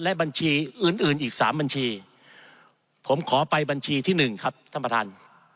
และบัญชีอื่นอื่นอีก๓บัญชีผมขอไปบัญชีที่๑ครับท่านประธาน